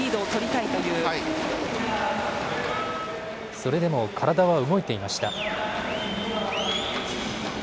それでも体は動いていました。